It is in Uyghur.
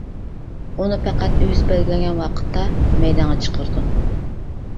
ئۇنى پەقەت ئۆزى بەلگىلىگەن ۋاقىتتا مەيدانغا چىقىرىدۇ.